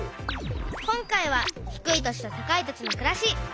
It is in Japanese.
今回は「低い土地と高い土地のくらし」。